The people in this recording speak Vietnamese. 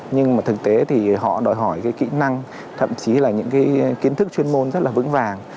nhưng mà thực tế thì họ đòi hỏi cái kỹ năng thậm chí là những cái kiến thức chuyên môn rất là vững vàng